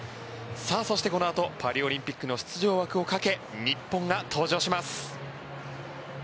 そして、このあとパリオリンピックの出場枠をかけ日本が登場します。